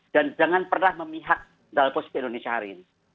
dan jangan pernah memihak dalam posisi indonesia hari ini